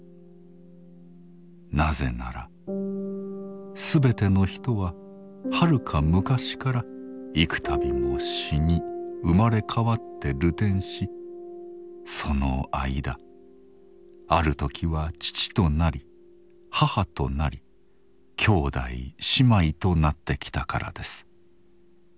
なぜならすべての人ははるか昔から幾たびも死に生まれ変わって流転しその間ある時は父となり母となり兄弟姉妹となってきたからです。